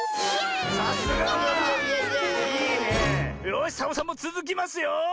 よしサボさんもつづきますよ！